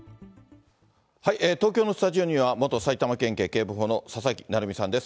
東京のスタジオには、元埼玉県警警部補の佐々木成三さんです。